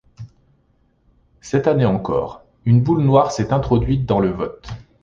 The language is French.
Cette année encore, une boule noire s'est introduite dans le vote.